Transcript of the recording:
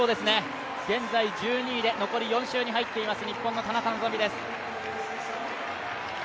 現在１２位で残り４周に入っています、日本の田中希実です。